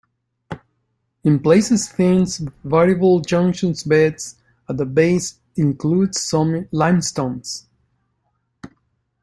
In places thin, variable junction beds at the base include some limestones.